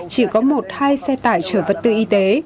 chỉ có một hai xe tải chở vật tư y tế